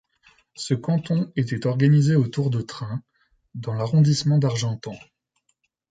Ce canton était organisé autour de Trun dans l'arrondissement d'Argentan.